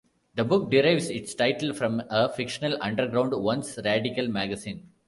The book derives its title from a fictional "underground" once-radical magazine.